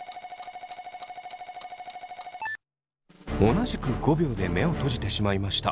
同じく５秒で目を閉じてしまいました。